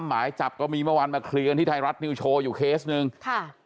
หมายจับก็มีเมื่อวานมาเคลียร์กันที่ไทยรัฐนิวโชว์อยู่เคสหนึ่งค่ะ